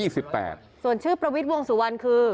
ส่วนชื่อประวิทย์วงสุวรรณคือ